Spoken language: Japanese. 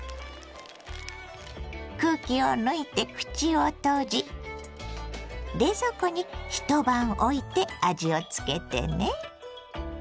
空気を抜いて口を閉じ冷蔵庫に一晩おいて味をつけてね。